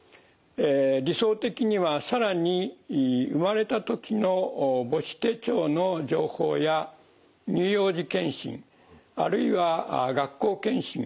理想的には更に生まれた時の母子手帳の情報や乳幼児健診あるいは学校健診